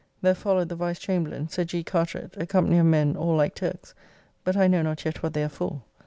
There followed the Vice Chamberlain, Sir G. Carteret, a company of men all like Turks; but I know not yet what they are for.